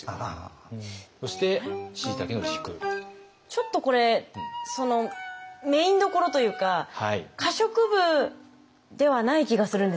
ちょっとこれそのメインどころというか可食部ではない気がするんですけど。